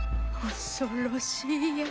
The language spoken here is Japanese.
恐ろしや。